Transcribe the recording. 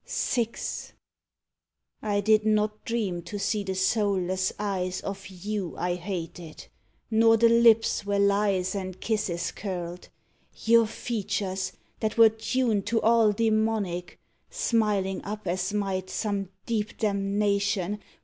VI. I did not dream to see the soulless eyes Of you I hated; nor the lips where lies And kisses curled; your features, that were tuned To all demonic, smiling up as might Some deep damnation!